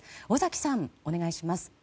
尾崎さん、お願いします。